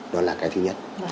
đó là cái thứ nhất